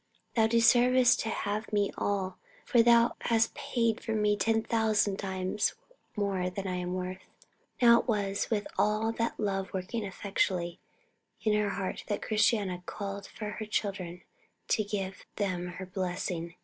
Thou deservest to have me all, for Thou hast paid for me ten thousand times more than I am worth!" Now it was with all that love working effectually in her heart that Christiana called for her children to give them her blessing.